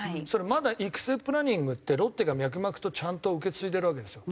まだ育成プランニングってロッテが脈々とちゃんと受け継いでるわけですよ。